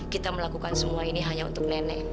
kita melakukan semua ini hanya untuk nenek